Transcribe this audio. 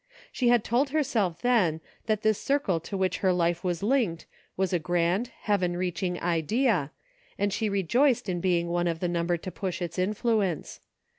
She told herself then that this circle to which her life was linked was a grand, heaven reaching idea, and she rejoiced in being one of the number to push its influence.